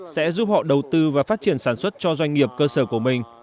sẽ giúp họ đầu tư và phát triển sản xuất cho doanh nghiệp cơ sở của mình